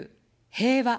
平和。